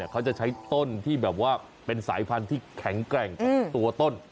เขาจะใช้ต้นที่แบบว่าเป็นสายพันธุ์ที่แข็งแกร่งกับตัวต้น